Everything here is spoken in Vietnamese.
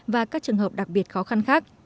và các trường hợp đặc biệt khó khăn khác